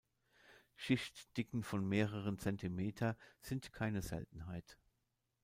Schichtdicken von mehreren Zentimeter sind keine Seltenheit.